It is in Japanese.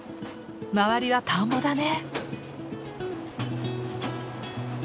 周りは田んぼだね。